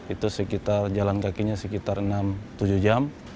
itu sekitar jalan kakinya sekitar enam tujuh jam